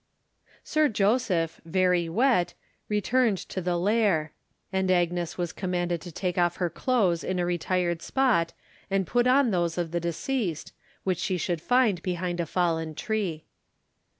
Sir Joseph (very wet) returned to the Lair, and Agnes was commanded to take off her clothes in a retired spot and put on those of the deceased, which she should find behind a fallen tree.